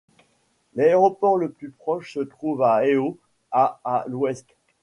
L'aéroport le plus proche se trouve à Heho, à à l'Ouest.